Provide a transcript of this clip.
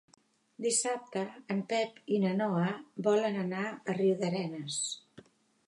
Dissabte en Pep i na Noa volen anar a Riudarenes.